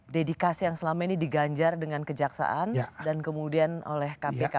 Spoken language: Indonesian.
dedikasi yang selama ini diganjar dengan kejaksaan dan kemudian oleh kpk